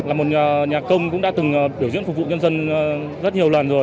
là một nhà công cũng đã từng biểu diễn phục vụ nhân dân rất nhiều lần rồi